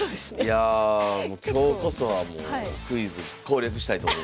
いや今日こそはもうクイズ攻略したいと思います。